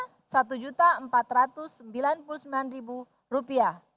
harga di aerafone sembilan gb rp sembilan ratus sembilan puluh sembilan